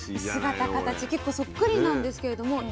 姿形結構そっくりなんですけれども。